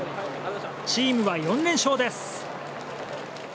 チームは４連勝です。